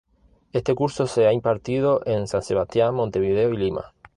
Este curso se ha impartido en San Sebastián, Montevideo y Lima.